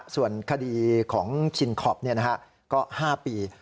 ส่วนคดีของชินคอปเนี่ยนะฮะก็๕ปี